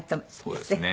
そうですね。